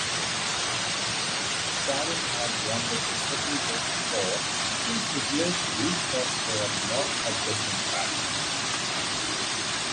Stalin had wanted to settle the score since Hitler's breach of their non-aggression pact.